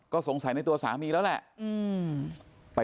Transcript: ก็สงสัยในตัวสามีแล้วแหละ